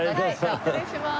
失礼します。